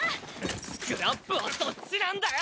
スクラップはそっちなんだよ！